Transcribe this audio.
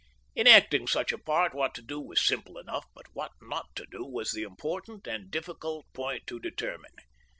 In acting such a part what to do was simple enough, but what not to do was the important and difficult point to determine.